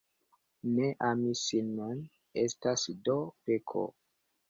Ne ami sin mem, estas do peko.